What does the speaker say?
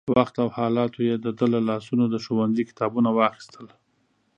وخت او حالاتو يې د ده له لاسونو د ښوونځي کتابونه واخيستل.